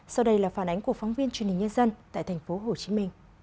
sau đây là phản ánh của phóng viên truyền hình nhân dân tại tp hcm